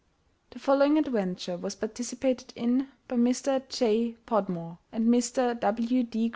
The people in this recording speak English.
The following adventure was participated in by Mr. J. Podmore and Mr. W. D.